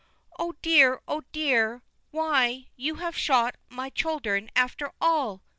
"Oh, dear, oh, dear! Why, you have shot my children after all!"